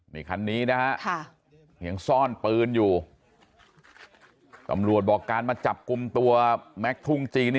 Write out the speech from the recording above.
นี่คันนี้นะฮะยังซ่อนปืนอยู่ตำรวจบอกการมาจับกลุ่มตัวแม็กซ์ทุ่งจีน